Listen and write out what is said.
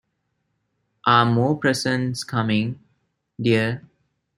Are more presents coming, dear?